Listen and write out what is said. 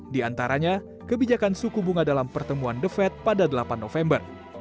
di antaranya kebijakan suku bunga dalam pertemuan the fed pada delapan november